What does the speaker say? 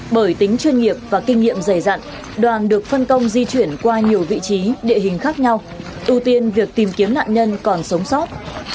bởi tính chuyên nghiệp và kinh nghiệm dày dặn đoàn được phân công di chuyển qua nhiều vị trí địa hình khác nhau ưu tiên việc tìm kiếm nạn nhân còn sống sót